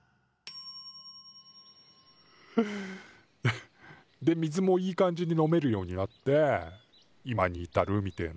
フッで水もいい感じに飲めるようになって今に至るみてえな。